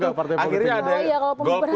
akhirnya ada golput semua